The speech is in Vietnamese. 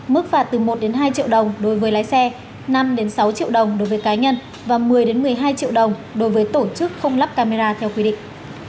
mức phạt từ một hai triệu đồng đối với lái xe năm sáu triệu đồng đối với cá nhân và một mươi một mươi hai triệu đồng đối với tổ chức không lắp camera theo quy định